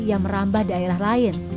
yang merambah daerah lain